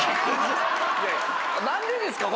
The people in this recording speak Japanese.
何でですか！